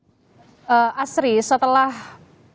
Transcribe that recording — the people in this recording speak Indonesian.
atau ada yang ingin mengucapkan penghargaan yang terbaik di bnpb